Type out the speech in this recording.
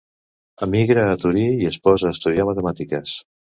Emigra a Torí i es posa a estudiar matemàtiques.